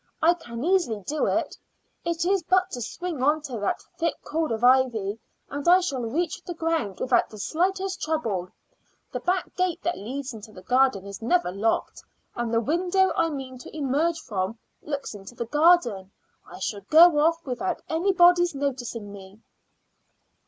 "I can easily do it; it is but to swing on to that thick cord of ivy and I shall reach the ground without the slightest trouble. The back gate that leads into the garden is never locked, and the window I mean to emerge from looks into the garden. I shall go off without anybody's noticing me."